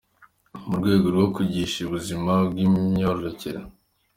Mu rwego rwo kwigisha ubuzima bw’imyororokere.